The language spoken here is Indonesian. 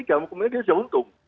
kemudian dia sudah untung